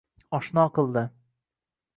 Oshno qildi